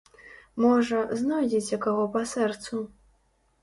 Можа, знойдзеце каго па сэрцу.